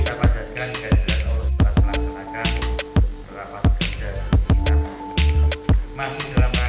dalam pelaksanaannya nanti jadikan para